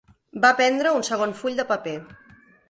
Va prendre un segon full de paper.